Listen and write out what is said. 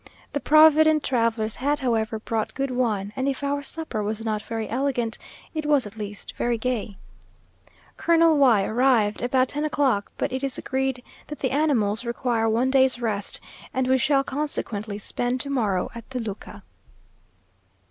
The provident travellers had, however, brought good wine; and if our supper was not very elegant, it was at least very gay. Colonel Y arrived about ten o'clock; but it is agreed that the animals require one day's rest, and we shall consequently spend to morrow at Toluca.